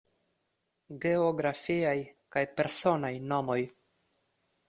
Geografiaj kaj personaj nomoj.